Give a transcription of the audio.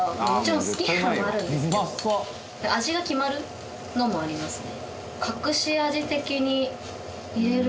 味が決まるのもありますね。